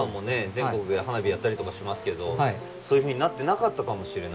全国で花火やったりとかしますけどそういうふうになってなかったかもしれない。